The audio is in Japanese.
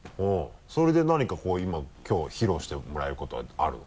それで何かこう今きょうは披露してもらえることはあるの？